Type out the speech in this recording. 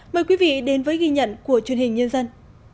mời quý vị đến với ghi nhận của truyền hình nhân dân